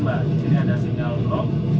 di sini ada sinyal blok